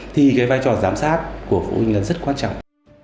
thì cái vai trò giám sát của phụ huynh là rất quan trọng